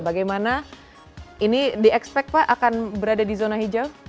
bagaimana ini di expect pak akan berada di zona hijau